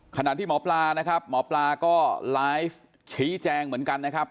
ขณะที่หมอปลานะครับหมอปลาก็ไลฟ์ชี้แจงเหมือนกันนะครับ